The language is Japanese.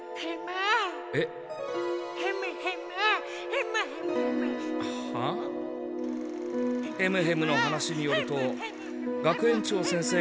ヘムヘムの話によると学園長先生